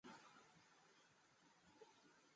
প্রেম চৌধুরী একজন স্ব-শিক্ষিত শিল্পী।